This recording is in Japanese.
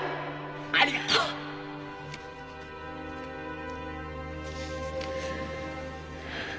ありがとう！はあ。